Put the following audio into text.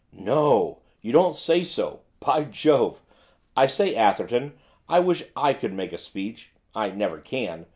'No! you don't say so! by Jove! I say, Atherton, I wish I could make a speech, I never can.